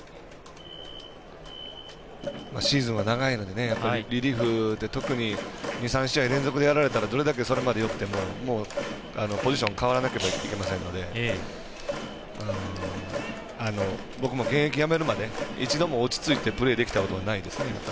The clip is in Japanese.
シーズンは長いのでリリーフで特に２３試合連続でやられたらどれだけ、それまでよくてもポジション変わらなきゃいけませんので僕も現役やめるまで一度も落ち着いてプレーできたことがないですね。